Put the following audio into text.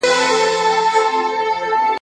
ایا دولت د صنعت کارانو ملاتړ کوي؟